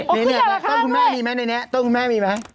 อ๋อขึ้นมาอย่างละข้างด้วยต้นคุณแม่มีไหมในเนี้ยต้นคุณแม่มีไหม